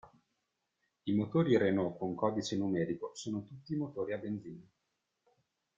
I motori Renault con codice numerico sono tutti motori a benzina.